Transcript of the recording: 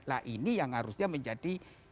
nah ini yang harusnya menjadi